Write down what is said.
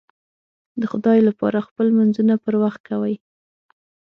د خدای لپاره خپل لمونځونه پر وخت کوئ